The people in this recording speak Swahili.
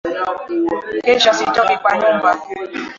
Kesho sitoki kwa nyumba